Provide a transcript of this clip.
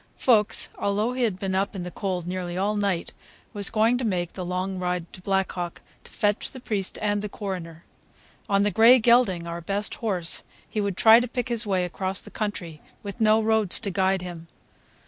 Fuchs, although he had been up in the cold nearly all night, was going to make the long ride to Black Hawk to fetch the priest and the coroner. On the gray gelding, our best horse, he would try to pick his way across the country with no roads to guide him.